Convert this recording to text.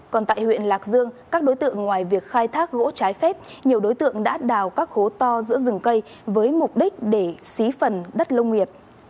còn tại huyện lạc dương các đối tượng ngoài việc khai thác gỗ trái phép nhiều đối tượng đã đào các hố to giữa rừng cây với mục đích để xí phần đất lông nghiệp